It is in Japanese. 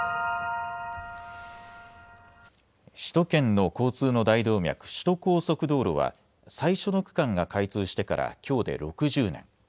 首都圏の交通の大動脈、首都高速道路は最初の区間が開通してからきょうで６０年。